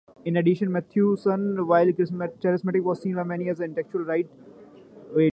In addition, Matthewson, while charismatic, was seen by many as an intellectual light-weight.